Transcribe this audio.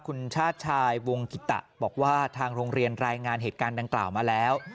คุณชาติชายวงกิตะบอกว่าทางโรงเรียนรายงานเหตุการณ์ดังกล่าวมาแล้ว